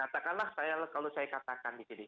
katakanlah kalau saya katakan di sini